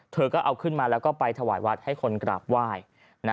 เธอก็เอาขึ้นมาแล้วก็ไปถวายวัดให้คนกราบไหว้